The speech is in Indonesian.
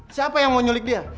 siapa yang mau nyulik dia